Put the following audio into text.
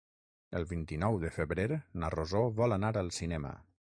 El vint-i-nou de febrer na Rosó vol anar al cinema.